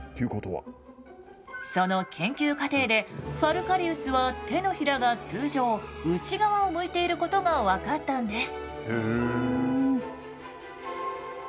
その研究過程でファルカリウスは手のひらが通常内側を向いていることが分かったんです。